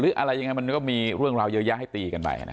อะไรยังไงมันก็มีเรื่องราวเยอะแยะให้ตีกันไปนะ